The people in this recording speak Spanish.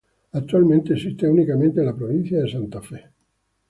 Actualmente existe únicamente en la provincia de Santa Fe.